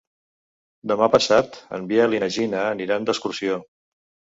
Demà passat en Biel i na Gina aniran d'excursió.